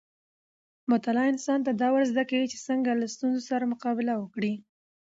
مطالعه انسان ته دا ورزده کوي چې څنګه له ستونزو سره مقابله وکړي.